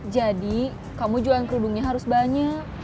jadi kamu jualan kerudungnya harus banyak